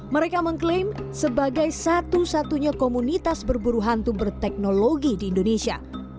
mereka mengklaim sebagai satu satunya komunitas berburu hantu berteknologi di indonesia